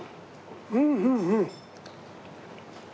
うんうんうん！